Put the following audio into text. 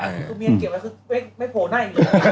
คุณเมียเก็บก็คือไม่โผล่หน้างังนึง